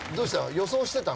予想してたの？